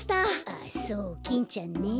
あそうキンちゃんね。